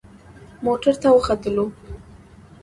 موټر ته وختلو.